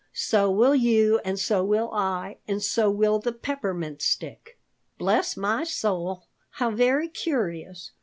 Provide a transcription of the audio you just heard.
So will you and so will I and so will the Peppermint Stick." "Bless my soul, how very curious!